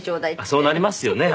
そうなりますよね